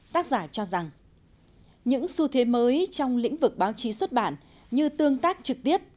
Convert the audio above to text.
tác giả cho rằng những xu thế mới trong lĩnh vực báo chí xuất bản như tương tác trực tiếp